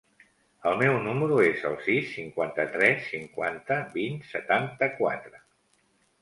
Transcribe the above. El meu número es el sis, cinquanta-tres, cinquanta, vint, setanta-quatre.